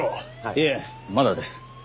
いえまだです。